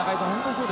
［そう。